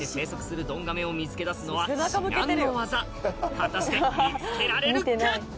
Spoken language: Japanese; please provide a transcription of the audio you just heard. とはいえ果たして見つけられるか？